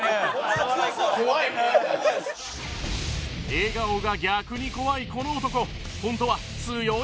笑顔が逆に怖いこの男